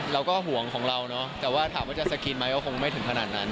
เราก็ห่วงของเราเนอะแต่ว่าถามว่าจะสกรีนไหมก็คงไม่ถึงขนาดนั้น